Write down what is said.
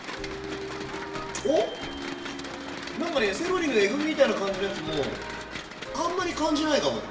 おっ⁉なんかねセロリのえぐみみたいな感じのやつもあんまり感じないかも。